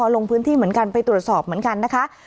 ลงพื้นที่เหมือนกันไปตรวจสอบเหมือนกันนะคะ